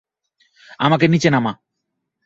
আমাকে নিচে নামা!